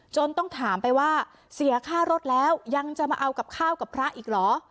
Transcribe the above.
ต้องถามไปว่าเสียค่ารถแล้วยังจะมาเอากับข้าวกับพระอีกเหรอ